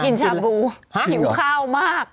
ไปกินชาบูหิวข้าวมาก